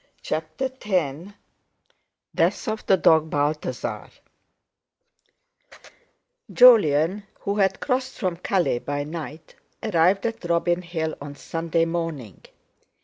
CHAPTER X DEATH OF THE DOG BALTHASAR Jolyon, who had crossed from Calais by night, arrived at Robin Hill on Sunday morning.